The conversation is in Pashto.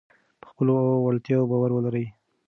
په خپلو وړتیاوو باور ولرئ.